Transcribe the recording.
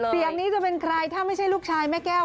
เสียงนี้จะเป็นใครถ้าไม่ใช่ลูกชายแม่แก้ว